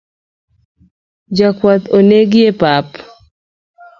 Jakwath onegi epap